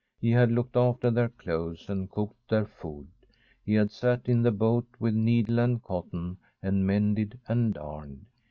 He had looked after their clothes and cooked their food; he had sat in the boat with needle and cotton and mended and darned.